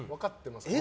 え？